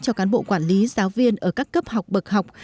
cho cán bộ quản lý giáo viên ở các cấp học bậc học